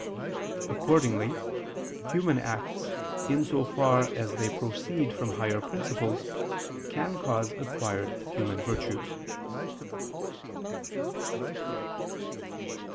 Accordingly human acts, in so far as they proceed from higher principles, can cause acquired human virtues.